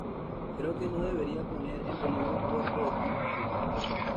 Creo que no debería poner en peligro puerto de Tel Aviv.